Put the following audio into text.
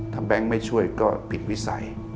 ถ้าแบงค์ไม่ช่วยก็ผิดวิสัย